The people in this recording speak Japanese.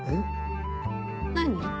何？